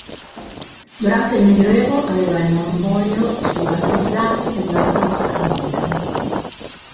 Durante il medioevo aveva il monopolio sui battezzati dell'alta Val Camonica.